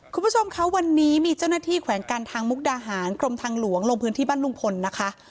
คุณผู้ชมคะวันนี้มีเจ้าหน้าที่แขวงการทางมุกดาหารกรมทางหลวงลงพื้นที่บ้านลุงพลนะคะ